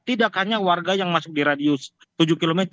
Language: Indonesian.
tidak hanya warga yang masuk di radius tujuh km